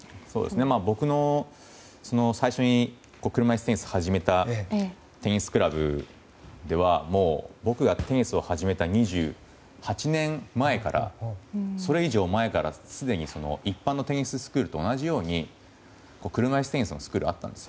僕が最初に車いすテニスを始めたテニスクラブでは僕がテニスを始めた２８年前からそれ以上前からすでに一般のテニススクールと同じように車いすテニスのスクールがあったんです。